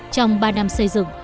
trong ba năm xây dựng